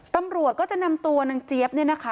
ตำรวจก็จะนำตัวนางเจี๊ยบ